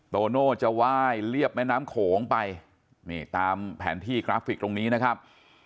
โตโน่จะไหว้เรียบแม่น้ำโขงไปนี่ตามแผนที่กราฟิกตรงนี้นะครับ